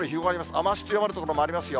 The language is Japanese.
雨足強まる所もありますよ。